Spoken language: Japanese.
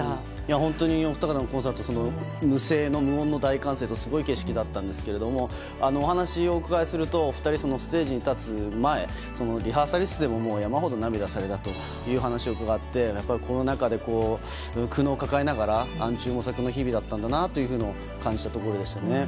本当にお二方のコンサート無声、無音の歓声ですごい景色だったんですけどお話をお伺いするとお二人はステージに立つ前リハーサル室でも山ほど涙されたという話を伺ってコロナ禍で苦悩を抱えながら暗中模索の日々だったんだなとも感じた日々でしたね。